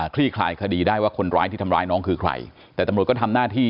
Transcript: ลี่คลายคดีได้ว่าคนร้ายที่ทำร้ายน้องคือใครแต่ตำรวจก็ทำหน้าที่